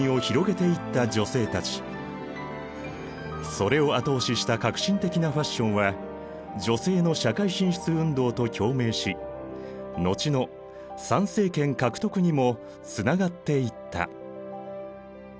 それを後押しした革新的なファッションは女性の社会進出運動と共鳴し後の参政権獲得にもつながっていった。